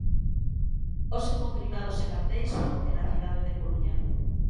Hoxe con cribados en Arteixo e na cidade de Coruña.